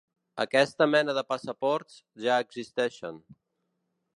Aquesta mena de passaports ja existeixen.